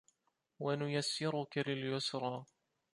وَنُيَسِّرُكَ لِليُسرى